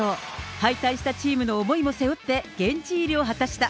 敗退したチームの思いを背負って、現地入りを果たした。